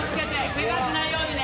ケガしないようにね。